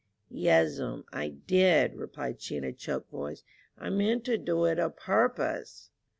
"Yes'm, I did," replied she, in a choked voice, "I meant to do it a purpose."